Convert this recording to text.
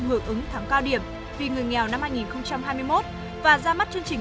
ngược ứng thắng cao điểm vì người nghèo năm hai nghìn hai mươi một và ra mắt chương trình